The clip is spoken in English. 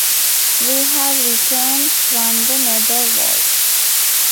We've returned from the netherworld...